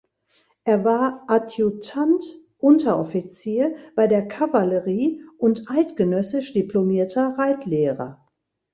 Er war "Adjutant Unteroffizier" bei der Kavallerie und eidgenössisch diplomierter Reitlehrer.